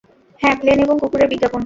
হ্যাঁ, প্লেন এবং কুকুরের বিজ্ঞাপনটা।